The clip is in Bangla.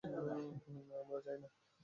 না, আমরা চাইনা।